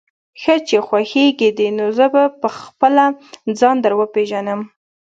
ښه چې خوښېږي دې، نو زه به خپله ځان در وپېژنم.